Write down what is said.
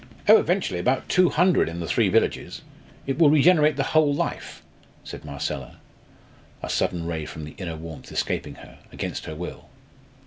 "Oh! eventually, about two hundred in the three villages. It will regenerate the whole life!" said Marcella, a sudden ray from the inner warmth escaping her, against her will.